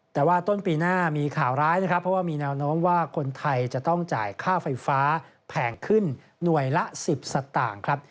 แต่ว่าต้นปีหน้ามีข่าวร้ายนะครับเพราะว่ามีแนวโน้มว่าคนไทยจะต้องจ่ายค่าไฟฟ้าแพงขึ้นหน่วยละ๑๐สตางค์ครับ